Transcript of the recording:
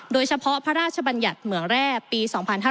โดยเฉพาะพระราชบัญญัติเหมืองแร่ปี๒๕๕๙